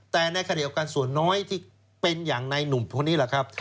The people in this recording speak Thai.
แต่ในขณะเดียวกันส่วนน้อยที่เป็นอย่างในหนุ่มคนนี้แหละครับ